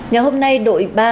ngày hôm nay đội ba